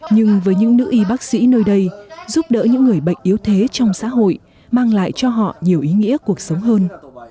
nhưng với những nữ y bác sĩ nơi đây giúp đỡ những người bệnh yếu thế trong xã hội mang lại cho họ nhiều ý nghĩa cuộc sống hơn